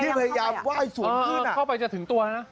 พยายามไหว้สวนขึ้นเข้าไปจะถึงตัวนะ